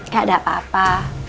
gak ada apa apa